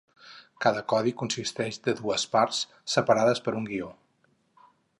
Cada codi consisteix de dues parts, separades per un guió.